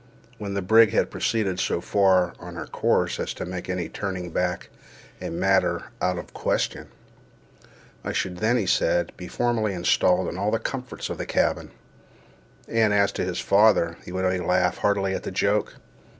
When the brig had proceeded so far on her course as to make any turning back a matter out of question, I should then, he said, be formally installed in all the comforts of the cabin; and as to his father, he would only laugh heartily at the joke.